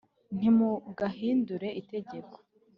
nti mugahindure itegeko